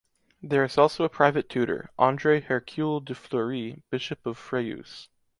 There is also a private tutor, André Hercule de Fleury, Bishop of Fréjus.